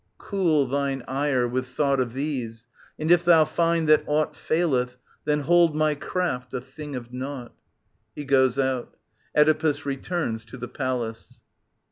Cool thine ire With thought of these, and if thou find that aught Faileth, then hold my craft a thing of naught. \He goes $ut. Oedipus returns to tht Palace.